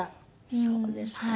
そうですか。